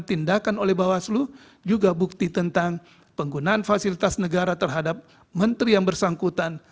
tindakan oleh bawaslu juga bukti tentang penggunaan fasilitas negara terhadap menteri yang bersangkutan